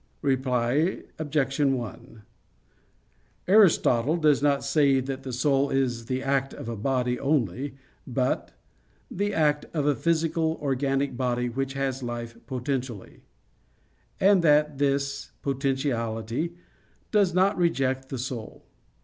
Reply Obj. 1: Aristotle does not say that the soul is the act of a body only, but "the act of a physical organic body which has life potentially"; and that this potentiality "does not reject the soul."